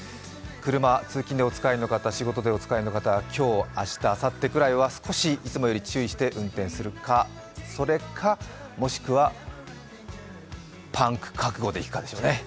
車、通勤でお使いの方、仕事でお使いの方、今日、明日、あさってぐらいはいつもより注意して運転するか、もしくはパンク覚悟で行くかですよね。